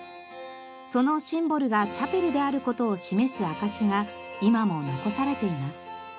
そのシンボルがチャペルである事を示す証しが今も残されています。